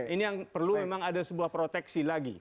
ini yang perlu memang ada sebuah proteksi lagi